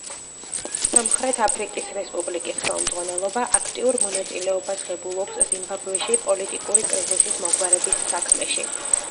სამხრეთ აფრიკის რესპუბლიკის ხელმძღვანელობა აქტიურ მონაწილეობას ღებულობს ზიმბაბვეში პოლიტიკური კრიზისის მოგვარების საქმეში.